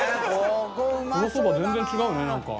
このそば全然違うね何か。